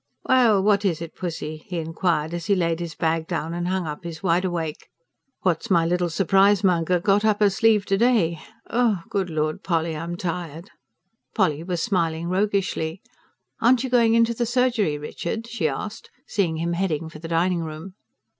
"Well, what is it, Pussy?" he inquired as he laid his bag down and hung up his wide awake. "What's my little surprise monger got up her sleeve to day? Good Lord, Polly, I'm tired!" Polly was smiling roguishly. "Aren't you going into the surgery, Richard?" she asked, seeing him heading for the dining room.